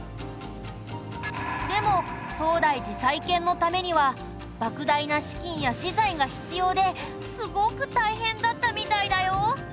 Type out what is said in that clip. でも東大寺再建のためには莫大な資金や資材が必要ですごく大変だったみたいだよ。